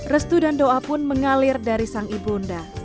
restu dan doa pun mengalir dari sang ibunda